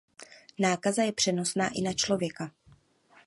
Nákaza je přenosná i na člověka.